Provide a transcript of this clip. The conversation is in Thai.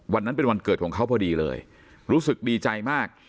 วันนั้นเป็นวันเกิดของเขาพอดีเลยรู้สึกดีใจมาก